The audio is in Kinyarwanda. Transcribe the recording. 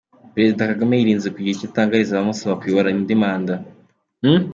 Perezida Kagame yirinze kugira icyo atangariza abamusaba kuyobora indi manda